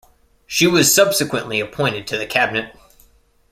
She was subsequently appointed to the Cabinet.